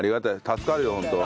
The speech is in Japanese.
助かるよホント。